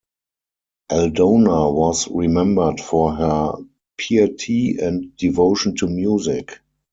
Aldona was remembered for her piety and devotion to music.